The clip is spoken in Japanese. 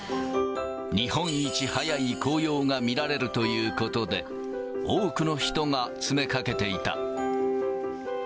日本一早い紅葉が見られるということで、多くの人が詰めかけていた。